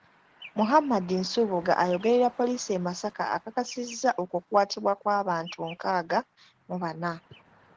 Muhammad Nsubuga ayogerera poliisi e Masaka akakasizza okukwatibwa kw'abantu nkaaga mu bana.